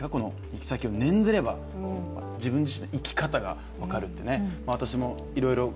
住き先を念ずれば、自分自身の生き方が分かるっていうね。